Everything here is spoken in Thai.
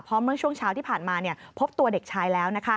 เพราะเมื่อช่วงเช้าที่ผ่านมาพบตัวเด็กชายแล้ว